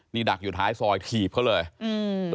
นี่ดักอยู่ท้ายซอยถีบเขาเลยอืม